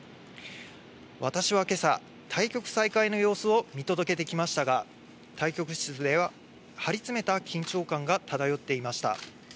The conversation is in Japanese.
私はけさ、対局再開の様子を見届けてきましたが、対局室では、張り詰めた緊張感が漂っていました。